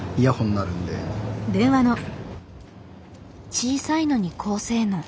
小さいのに高性能。